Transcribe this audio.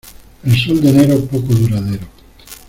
El sol de enero poco duradero.